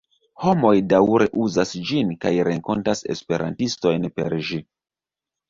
Homoj daŭre uzas ĝin kaj renkontas esperantistojn per ĝi.